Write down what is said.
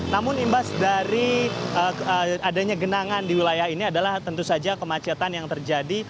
namun imbas dari adanya genangan di wilayah ini adalah tentu saja kemacetan yang terjadi